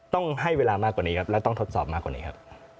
ต้องให้เวลามากกว่านี้ครับและต้องทดสอบมากกว่านี้ครับ